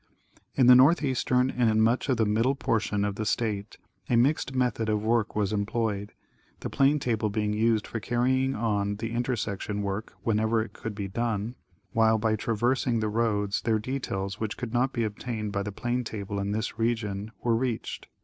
In the northeastern and in much of the middle portion of the state a mixed method of work was employed, the plane table being used for carrying on the intersection work wherever it could be done, while by traversing the roads, their details, which could not be obtained by the plane table in this region, were reached.